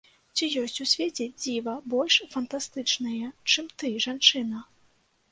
Ці ёсць у свеце дзіва больш фантастычнае, чым ты, жанчына!